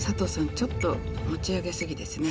ちょっと持ち上げ過ぎですね。